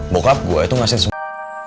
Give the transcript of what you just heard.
mokap gue itu ngasih semua